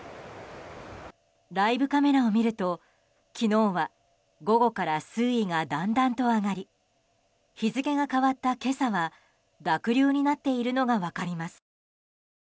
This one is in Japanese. ライブカメラを見ると昨日は午後から水位がだんだんと上がり日付が変わった今朝は濁流になっているのが分かります。